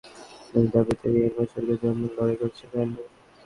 কয়েক দশক ধরে অধিকতর স্বায়ত্তশাসনের দাবিতে মিয়ানমার সরকারের সঙ্গে লড়াই করছে কারেনরা।